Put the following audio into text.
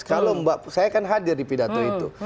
kalau mbak saya kan hadir di pidato itu